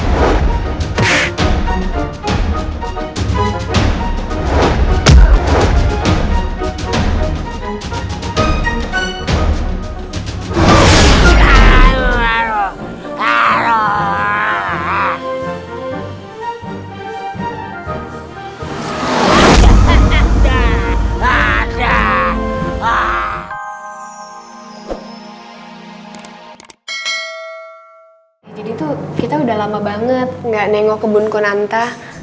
jadi tuh kita udah lama banget gak nengok kebun kunanta